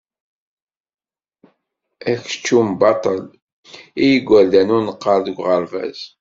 Akeččum baṭel i igerdan ur neqqar deg uɣerbaz.